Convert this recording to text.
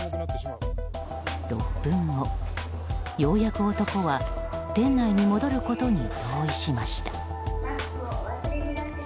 ６分後、ようやく男は店内に戻ることに同意しました。